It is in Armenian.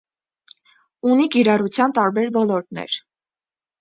Ունի կիրառության տարբեր ոլորտներ։